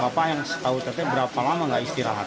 bapak yang tahu berapa lama nggak istirahat